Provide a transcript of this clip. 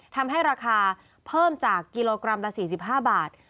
ทำให้ราคาเพิ่มจากกิโลกรัมละ๔๕บาท